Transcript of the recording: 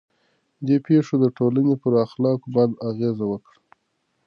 دې پېښو د ټولنې پر اخلاقو بده اغېزه وکړه.